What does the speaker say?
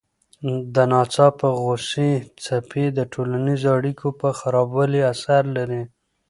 د ناڅاپه غوسې څپې د ټولنیزو اړیکو په خرابوالي اثر لري.